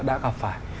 đã gặp phải